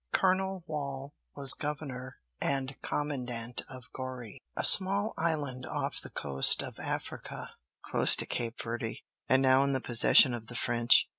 Colonel Wall was governor and commandant of Goree, a small island off the coast of Africa close to Cape Verde, and now in the possession of the French.